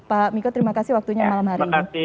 pak miko terima kasih waktunya malam hari ini